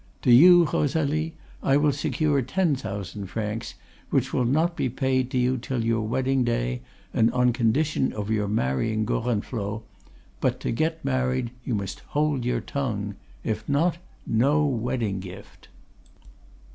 To you, Rosalie, I will secure ten thousand francs, which will not be paid to you till your wedding day, and on condition of your marrying Gorenflot; but, to get married, you must hold your tongue. If not, no wedding gift!